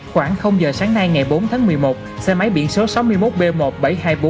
khoảng giờ sáng nay ngày bốn tháng một mươi một xe máy biển số sáu mươi một b một trăm bảy mươi hai nghìn bốn trăm bốn mươi bốn